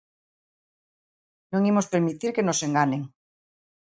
Non imos permitir que nos enganen.